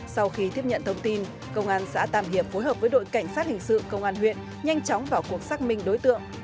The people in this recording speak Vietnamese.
sau khi tiếp nhận thông tin công an xã tam hiệp phối hợp với đội cảnh sát hình sự công an huyện nhanh chóng vào cuộc xác minh đối tượng